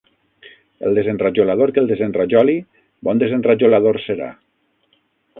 El desenrajolador que el desenrajoli, bon desenrajolador serà.